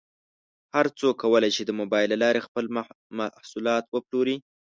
هر څوک کولی شي د مبایل له لارې خپل محصولات وپلوري.